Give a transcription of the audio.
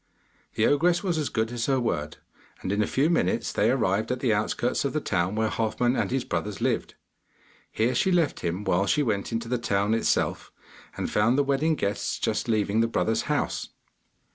The ogress was as good as her word, and in a few minutes they arrived at the outskirts of the town where Halfman and his brothers lived. Here she left him, while she went into the town itself, and found the wedding guests just leaving the brother's house.